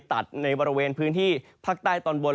ในบริเวณพื้นที่ภาคใต้ตอนบน